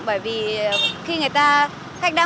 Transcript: bởi vì khi người ta khách đã mua một vài loài hoa này